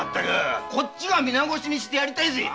こっちが皆殺しにしてやりたいですよ！